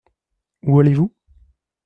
Où allez-vous ?